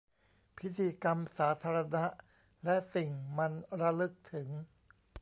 พิธีกรรมสาธารณะและสิ่งมันระลึกถึง